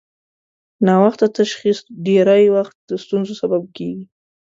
ناوخته تشخیص ډېری وخت د ستونزو سبب کېږي.